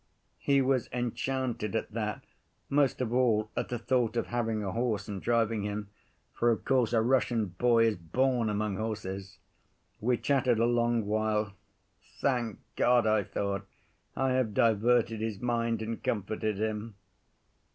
He was enchanted at that, most of all at the thought of having a horse and driving him. For of course a Russian boy is born among horses. We chattered a long while. Thank God, I thought, I have diverted his mind and comforted him.